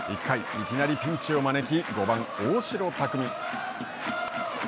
いきなりピンチを招き５番大城卓三。